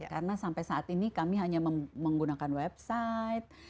karena sampai saat ini kami hanya menggunakan website